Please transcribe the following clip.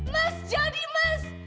mas jadi mas